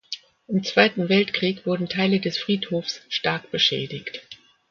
Im Zweiten Weltkrieg wurden Teile des Friedhofs stark beschädigt.